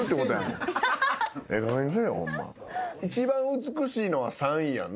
一番美しいのは３位やんな。